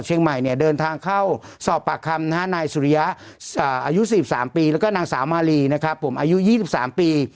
เชียงใหม่เนี่ยเดินทางเข้าสอบปากคำหน้านายสุริยะอายุสี่สามปีแล้วก็นางสาวมารีนะครับผมอายุยี่สิบสามปี